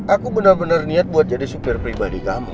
aku bener bener niat buat jadi supir pribadi kamu